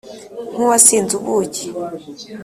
nk'uwasinze ubuki